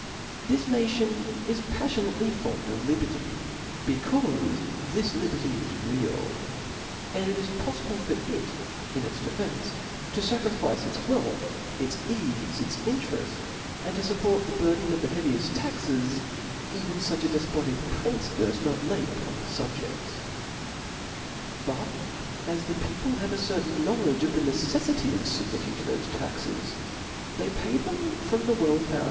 ,* This nation is paflionately fond of liberty^ be caufe this liberty is real ; and it is poflible for it^ in its defence, to facrifice its wealth, its eafe, its in / tereft, and tofupport the burthen of the moft heavy ta^es, even fuch as a defpotic prince duril not lay upon his fubjcfts. But as the people have a cdrtain knowledge of the neccffity of fubmittiog to thofe taxes, they pay them from the well f6und